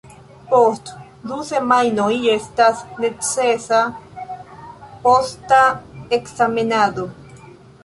Post du semajnoj estas necesa posta ekzamenado.